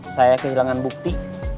saya kehilangan bukti